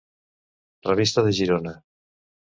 Revista de Girona.